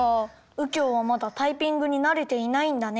うきょうはまだタイピングになれていないんだね。